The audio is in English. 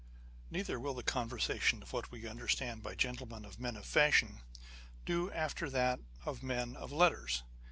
Neither will the conversation of what we understand by gentlemen and men of fashion, do after that of men of letters.